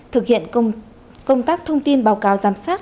thực hiện công tác thông tin báo cáo giám sát